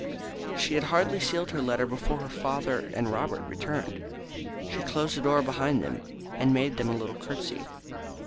She had hardly sealed her letter before her father and Robert returned. She closed the door behind them, and made them a little curtsey.